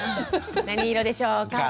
「何色でしょうか？」。